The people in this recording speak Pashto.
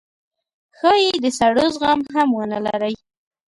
ښايي د سړو زغم هم ونه لرئ